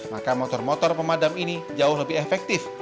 maka motor motor pemadam ini jauh lebih efektif